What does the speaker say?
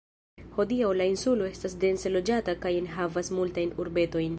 Hodiaŭ la insulo estas dense loĝata kaj enhavas multajn urbetojn.